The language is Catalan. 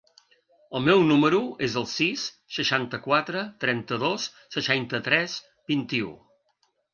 El meu número es el sis, seixanta-quatre, trenta-dos, seixanta-tres, vint-i-u.